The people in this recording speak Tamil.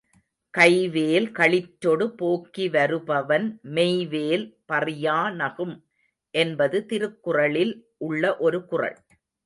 கைவேல் களிற்றொடு போக்கி வருபவன் மெய்வேல் பறியா நகும் என்பது திருக்குறளில் உள்ள ஒரு குறள்.